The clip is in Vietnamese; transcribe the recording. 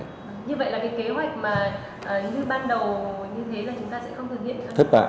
như vậy là cái kế hoạch mà như ban đầu như thế là chúng ta sẽ không thực hiện hiệu quả